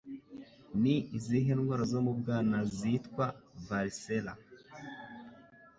Ni izihe ndwara zo mu bwana zitwa Varicella?